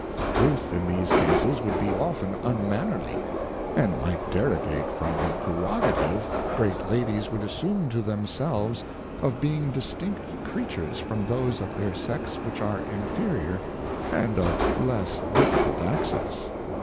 Truth in these Cases would be often un mannerly, and might derogate from the Prerogative, great Ladies would assume to them selves, of being distinct Creatures from those of their Sex which are inferiour and of less difficult access.